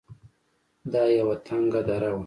دا يوه تنگه دره وه.